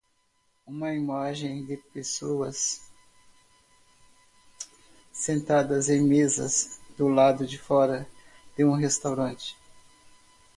Uma imagem de pessoas sentadas em mesas do lado de fora de um restaurante.